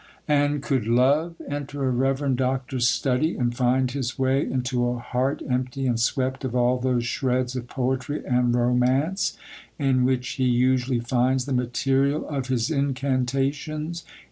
And could Love enter a reverend doctor's study, and find his way into a heart empty and swept of all those shreds of poetry and romance in which he usually finds the material of his incantations?